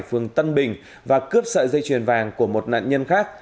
phường tân bình và cướp sợi dây chuyền vàng của một nạn nhân khác